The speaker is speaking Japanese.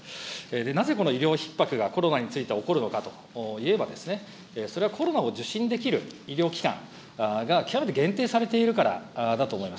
なぜこの医療ひっ迫がコロナについて起こるのかと言えば、それはコロナを受診できる医療機関が極めて限定されているからだと思います。